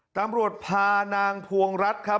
ตำรวจพานางพวงรัฐครับ